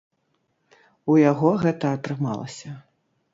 У яго гэта атрымалася.